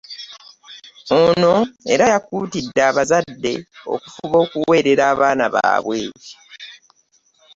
Ono era yakuutidde abazadde okufuba okuweerera abaana baabwe